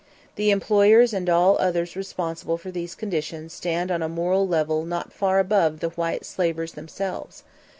The employers and all others responsible for these conditions stand on a moral level not far above the white slavers themselves.